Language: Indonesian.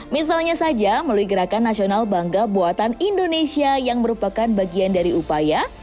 misalnya saja melalui gerakan nasional bangga buatan indonesia yang merupakan bagian dari upaya